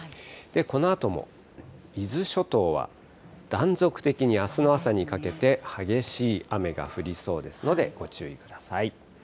このあとも伊豆諸島は断続的にあすの朝にかけて激しい雨が降りそうですので、ご注意ください。